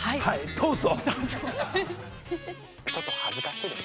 ◆どうぞ。